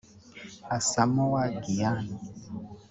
Asamoah Gyan